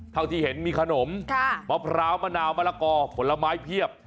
เท่าที่เห็นมีขนมมะพร้าวมะนาวมะละกอผลไม้เพียบ